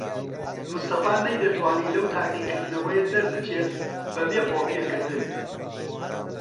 مستەفا نەیدەتوانی لەو تاقیکردنەوەیە دەربچێت بەبێ قۆپیەکردن.